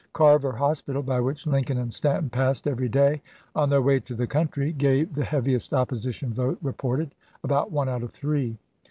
Carver i864. Hospital, by which Lincoln and Stanton passed every day on their way to the country, gave the heaviest opposition vote reported — about one out of three.